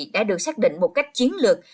đã được xác định một cách chiến lược